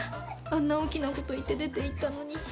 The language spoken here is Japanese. あんな大きな事言って出て行ったのに。